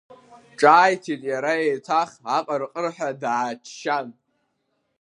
Ҿааиҭит иара еиҭах аҟырҟырҳәа дааччан.